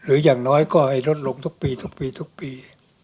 อย่างน้อยก็ลดลงทุกปีทุกปีทุกปี